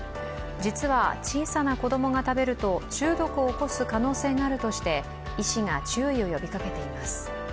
実は小さな子供が食べると中毒を起こす可能性があるとして医師が注意を呼びかけています。